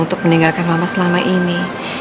untuk meninggalkan mama selama ini